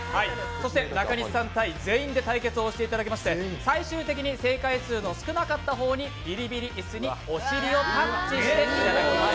中西ＶＳ全員で対決をしていただきまして最終的に正解数の少なかった方にビリビリ椅子にお尻をタッチしていただきます。